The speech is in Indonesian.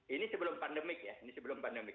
ini sebelum pandemik ya ini sebelum pandemik